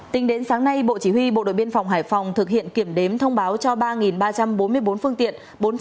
tính đến sáng nay bộ chỉ huy bộ đội biên phòng hải phòng thực hiện kiểm đếm thông báo cho ba ba trăm bốn mươi bốn phương tiện